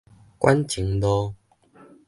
館前路